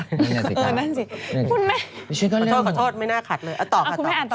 ขอโทษไม่น่ายากลัวเลยอ้าต่อ